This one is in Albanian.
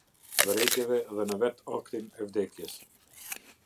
Vërejtjeve dhe në vetë aktin e vdekjes.